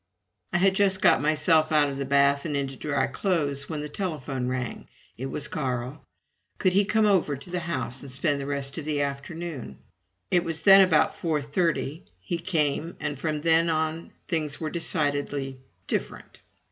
I had just got myself out of the bath and into dry clothes when the telephone rang. It was Carl. Could he come over to the house and spend the rest of the afternoon? It was then about four thirty. He came, and from then on things were decidedly different.